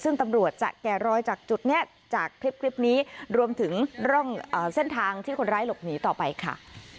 ซึ่งตำรวจจะแก่รอยจากจุดนี้จากคลิปนี้รวมถึงร่องเส้นทางที่คนร้ายหลบหนีต่อไปค่ะ